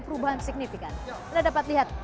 perubahan signifikan anda dapat lihat